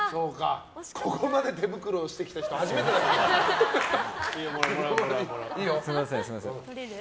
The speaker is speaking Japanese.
ここまで手袋をしてきた人初めてだよ。